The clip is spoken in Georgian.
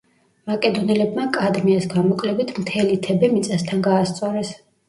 მაკედონელებმა კადმეას გამოკლებით მთელი თებე მიწასთან გაასწორეს.